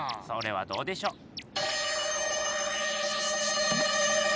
それはどうでしょう？